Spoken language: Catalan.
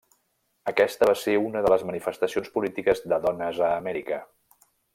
Aquesta va ser una de les manifestacions polítiques de dones a Amèrica.